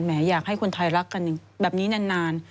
อยากให้คนไทยรักกันแบบนี้นาน